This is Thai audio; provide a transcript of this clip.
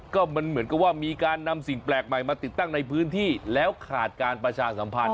ก็มันเหมือนกับว่ามีการนำสิ่งแปลกใหม่มาติดตั้งในพื้นที่แล้วขาดการประชาสัมพันธ